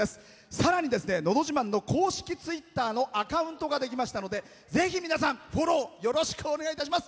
さらに「のど自慢」の公式ツイッターのアカウントができましたのでぜひ、皆さんフォローよろしくお願いいたします。